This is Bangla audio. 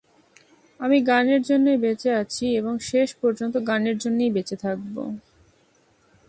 আমি গানের জন্যই বেঁচে আছি এবং শেষ পর্যন্ত গানের জন্যই বেঁচে থাকব।